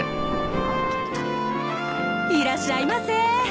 いらっしゃいませ。